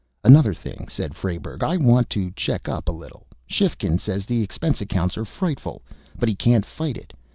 "Another thing," said Frayberg, "I want to check up a little. Shifkin says the expense accounts are frightful. But he can't fight it.